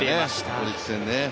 オリックス戦でね。